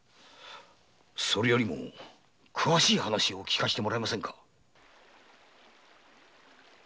それよりも詳しい話を聞かせてもらえませんか？